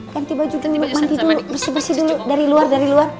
manti dulu bersih dulu dari luar